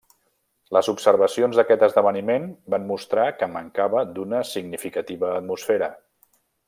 Les observacions d'aquest esdeveniment van mostrar que mancava d'una significativa atmosfera.